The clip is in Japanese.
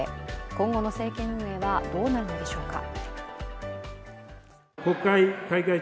今後の政権運営はどうなるのでしょうか。